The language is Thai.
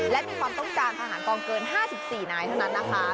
และมีความต้องการทหารกองเกิน๕๔นายเท่านั้นนะคะ